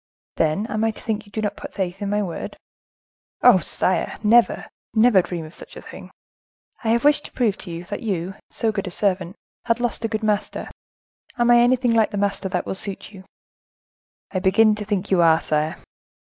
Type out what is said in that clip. "Then, am I to think you do put no faith in my word?" "Oh! sire, never—never dream of such a thing." "I have wished to prove to you, that you, so good a servant, had lost a good master; am I anything like the master that will suit you?" "I begin to think you are, sire."